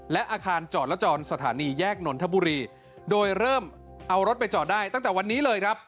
และอาคารจอดและจรสถานีแยกนนทบุรีโดยเริ่มเอารถไปจอดได้ตั้งแต่วันนี้เลยครับ